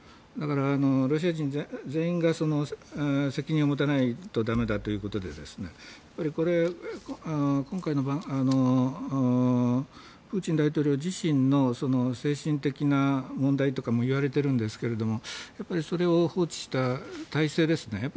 だからロシア人全員が責任を持たないとだめだということで今回のプーチン大統領自身の精神的な問題とかもいわれているんですけどもやっぱりそれを放置した態勢ですね。